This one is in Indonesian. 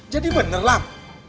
jadi bener lam